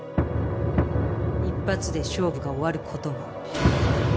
一発で勝負が終わることも。